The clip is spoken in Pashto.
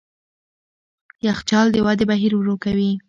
یخچال د ودې بهیر ورو کوي.